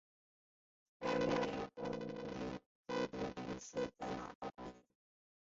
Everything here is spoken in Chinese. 该庙由功德林寺的喇嘛管理。